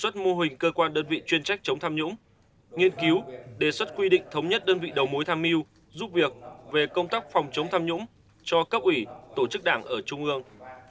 trách chống tham nhũng nghiên cứu đề xuất quy định thống nhất đơn vị đầu mối tham mưu giúp việc về công tác phòng chống tham nhũng cho các ủy tổ chức đảng ở trung ương